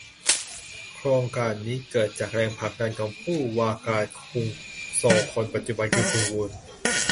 โครงการนี้เกิดจากแรงผลักดันของผู้ว่าการกรุงโซลคนปัจจุบันคือคุณวูน